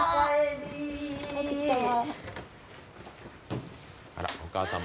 こんにちは。